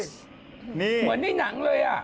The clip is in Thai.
เหมือนในหนังเลย